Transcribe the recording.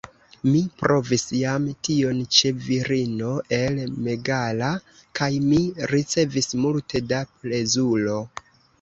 Mi provis jam tion ĉe virino el Megara, kaj mi ricevis multe da plezuro.